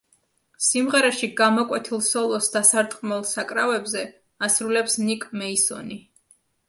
სიმღერაში გამოკვეთილ სოლოს დასარტყმელ საკრავებზე ასრულებს ნიკ მეისონი.